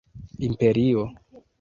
imperio